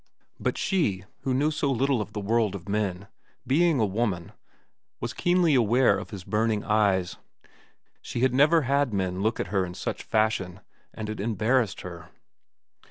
But she, who knew little of the world of men, being a woman, was keenly aware of his burning eyes. She had never had men look at her in such fashion, and it embarrassed her.